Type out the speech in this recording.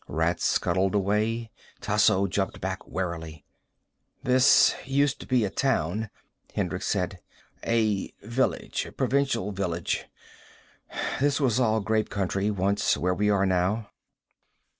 Rats scuttled away. Tasso jumped back warily. "This used to be a town," Hendricks said. "A village. Provincial village. This was all grape country, once. Where we are now."